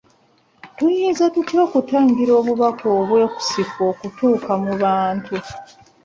Tuyinza tutya okutangira obubaka obwekusifu okutuuka mu bantu.